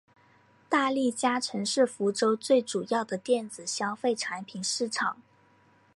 大利嘉城是福州最主要的电子消费产品市场。